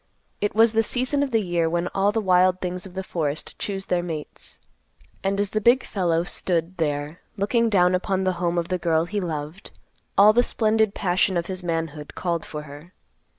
It was the season of the year when all the wild things of the forest choose their mates, and as the big fellow stood there looking down upon the home of the girl he loved, all the splendid passion of his manhood called for her.